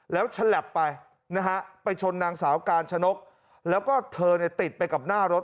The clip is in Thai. แล้วฉลับไปนะฮะไปชนนางสาวกาญชนกแล้วก็เธอเนี่ยติดไปกับหน้ารถ